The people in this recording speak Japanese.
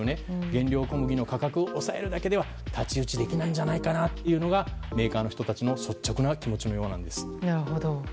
原料小麦の価格を抑えるだけじゃ太刀打ちできないんじゃないかなというのがメーカーの人たちの率直な気持ちのようなんです。